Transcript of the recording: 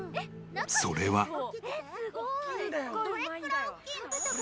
それは］